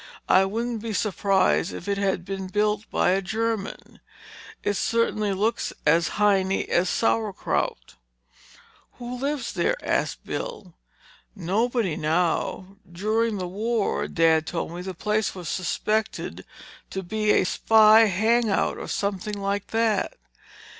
I wouldn't be surprised if it had been built by a German—it certainly looks as Heinie as sauerkraut!" "Who lives there?" asked Bill. "Nobody, now. During the war, Dad told me, the place was suspected to be a spy hang out or something like that.